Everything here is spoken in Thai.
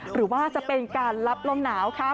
หรือว่าจะเป็นการรับลมหนาวค่ะ